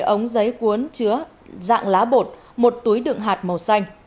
hai trăm một mươi ống giấy cuốn chứa dạng lá bột một túi đựng hạt màu xanh